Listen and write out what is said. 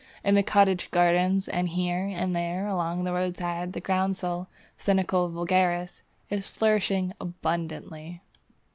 In the cottage gardens and here and there along the roadside the groundsel (Senecio vulgaris) is flourishing abundantly.